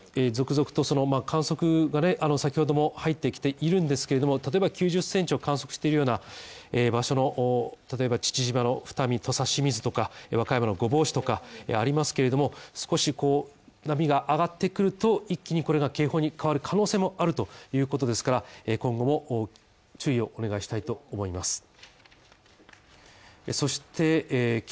そして現在、続々と観測を先ほども入ってきているんですけれども例えば９０センチを観測しているような場所の例えば父島とか和歌山御坊市とかありますけれども、少しこう、波が上がってくると、一気にこれが警報に変わる可能性もあるということですから今後も注意をお願いしたいと思います。